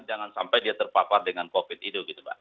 jangan sampai dia terpapar dengan covid